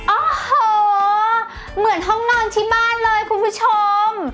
โอ้โหเหมือนห้องนอนที่บ้านเลยคุณผู้ชม